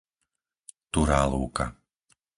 Turá Lúka